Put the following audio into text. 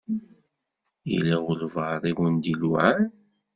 Yella walebɛaḍ i wen-d-iluɛan?